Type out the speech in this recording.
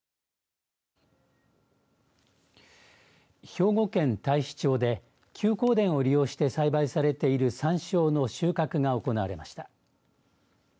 兵庫県太子町で休耕田を利用して栽培されているさんしょうの収穫が行われました。